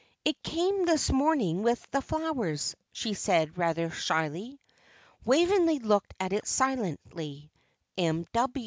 "It came this morning, with the flowers," she said, rather shyly. Waveney looked at it silently. "M.